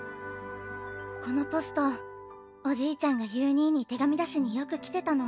このポストおじいちゃんが夕兄に手紙出しによく来てたの。